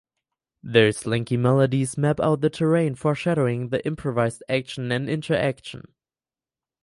The slinky melodies map out the terrain foreshadowing the improvised action and interaction.